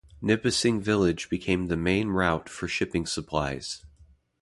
Nipissing village became the main route for shipping supplies.